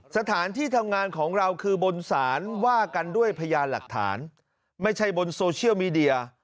สถานที่ทำงานของเราคือบนศาลว่ากันด้วยพยานหลักฐานไม่ใช่บนโซเชียลมีเดีย